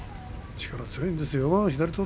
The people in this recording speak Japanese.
力、強いんですよ